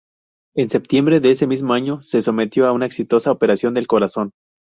En septiembre de ese mismo año se sometió a una exitosa operación del corazón.